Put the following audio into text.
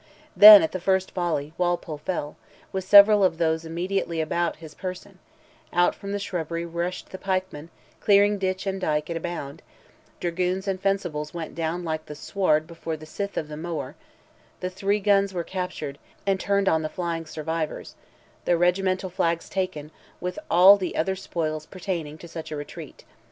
Then, at the first volley, Walpole fell, with several of those immediately about his person; out from the shrubbery rushed the pikemen, clearing ditch and dike at a bound; dragoons and fencibles went down like the sward before the scythe of the mower; the three guns were captured, and turned on the flying survivors; the regimental flags taken, with all the other spoils pertaining to such a retreat.